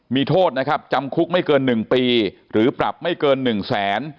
มีโทษนะครับจำคุกไม่เกิน๑ปีหรือปรับไม่เกิน๑แสน